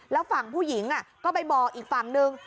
แล้วฝั่งผู้หญิงก็ไปบอกอีกฝั่งนึง